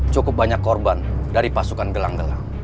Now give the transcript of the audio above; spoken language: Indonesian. cukup banyak korban dari pasukan gelang gelang